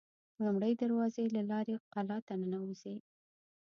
لومړۍ دروازې له لارې قلا ته ننوزي.